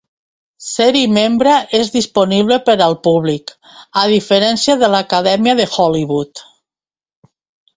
Ser-hi membre és disponible per al públic, a diferència de l'Acadèmia de Hollywood.